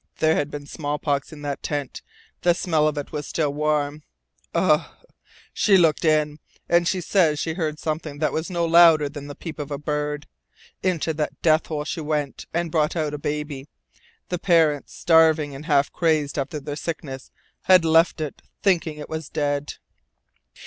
There had been smallpox in that tent; the smell of it was still warm. Ugh! And she looked in! And she says she heard something that was no louder than the peep of a bird. Into that death hole she went and brought out a baby. The parents, starving and half crazed after their sickness, had left it thinking it was dead.